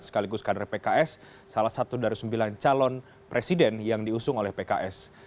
sekaligus kader pks salah satu dari sembilan calon presiden yang diusung oleh pks